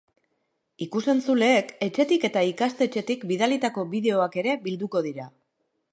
Ikus-entzuleek etxetik eta ikastetxetik bidalitako bideoak ere bilduko dira.